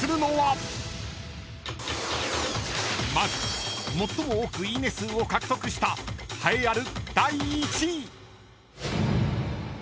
［まずもっとも多くいいね数を獲得した栄えある］